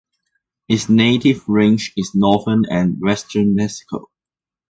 Its native range is northern and western Mexico.